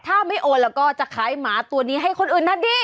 ถ้าไม่โอนแล้วก็จะขายหมาตัวนี้ให้คนอื่นนะดี